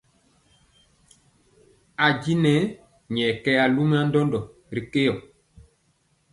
A jwii nyɛ kɛ luma ndɔndɔ ri keyɔ.